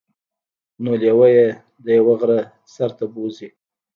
نو لیوه يې د یوه غره سر ته بوځي.